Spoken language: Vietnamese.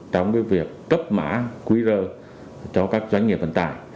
trong việc cấp mã qr cho các doanh nghiệp vận tải